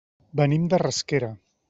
Venim de Rasquera.